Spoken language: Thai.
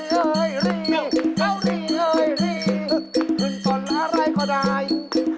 หัวเมียทะลอกวิวาดถอยว